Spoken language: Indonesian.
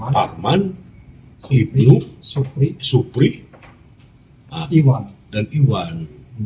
parman ibnu supri iwan